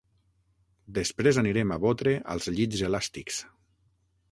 Després anirem a botre als llits elàstics.